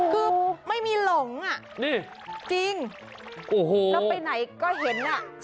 คือไม่มีหลงจริงแล้วไปไหนก็เห็นน่ะ